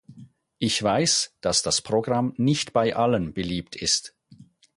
Ich weiß, dass das Programm nicht bei allen beliebt ist.